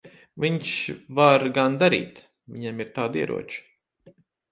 Viņš var gan darīt. Viņam ir tādi ieroči.